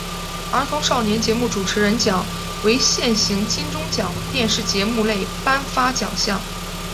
儿童少年节目主持人奖为现行金钟奖电视节目类颁发奖项。